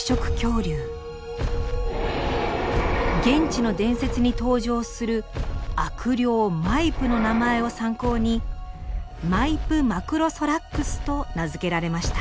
現地の伝説に登場する悪霊マイプの名前を参考にマイプ・マクロソラックスと名付けられました。